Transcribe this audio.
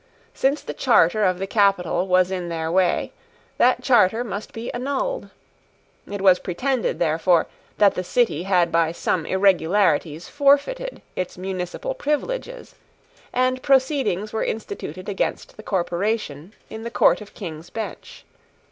Since the charter of the capital was in their way, that charter must be annulled. It was pretended, therefore, that the City had by some irregularities forfeited its municipal privileges; and proceedings were instituted against the corporation in the Court of King's Bench.